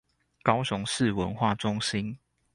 高雄市文化中心